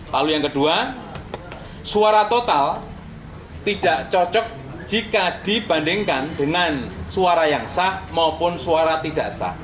lalu yang kedua suara total tidak cocok jika dibandingkan dengan suara yang sah maupun suara tidak sah